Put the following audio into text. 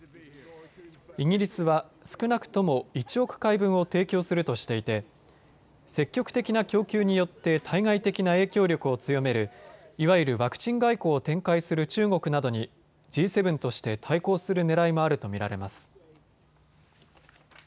イギリスは少なくとも１億回分を提供するとしていて積極的な供給によって対外的な影響力を強めるいわゆるワクチン外交を展開する中国などにＧ７として対抗するねらいもあると見られます。